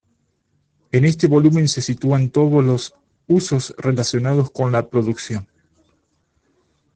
En este volumen se situaban todos los usos relacionados con la producción.